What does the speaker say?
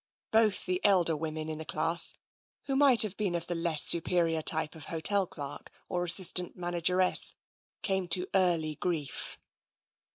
Both the elder women in the class, who might have been of the less superior type of hotel clerk or assistant manageress, came to early grief.